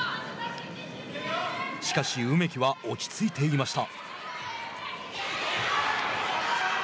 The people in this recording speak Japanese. しかし梅木は落ち着いていました。